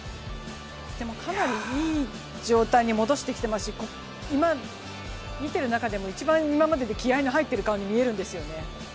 かなりいい状態に戻してきてますし今見てる中でも一番今までで気合いの入っている顔に見えるんですよね。